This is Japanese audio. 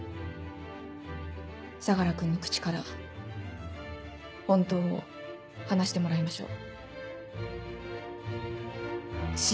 相楽君の口から「本当」を話してもらいましょう。